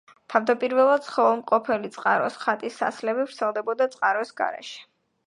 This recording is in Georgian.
თავდაპირველად ცხოველმყოფელი წყაროს ხატის ასლები ვრცელდებოდა წყაროს გარეშე.